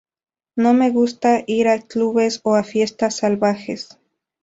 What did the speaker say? No me gusta ir a clubes o a fiestas salvajes.